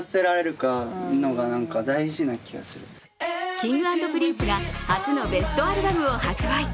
Ｋｉｎｇ＆Ｐｒｉｎｃｅが初のベストアルバムを発売。